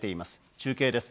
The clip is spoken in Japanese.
中継です。